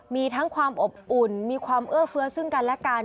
มีทั้งความอบอุ่นมีความเอื้อเฟื้อซึ่งกันและกัน